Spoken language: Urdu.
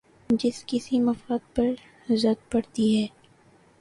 جب کسی مفاد پر زد پڑتی ہے۔